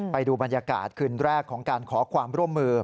ไปดูบรรยากาศคืนแรกของการขอความร่วมมือ